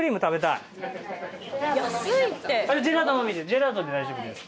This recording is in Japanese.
ジェラートで大丈夫です。